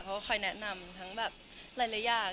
เค้าคอยแนะนำทั้งแบบหลายอย่าง